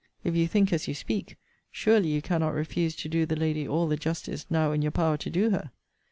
If you think as you speak, surely you cannot refuse to do the lady all the justice now in your power to do her.